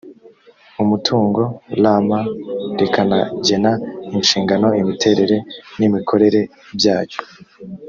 umutungo rmi rikanagena inshingano imiterere n imikorere byacyo